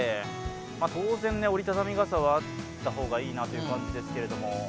当然、折りたたみ傘はあった方がいいなという感じですけれども。